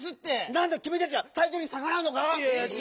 なんだ⁉きみたちはたいちょうにさからうのか？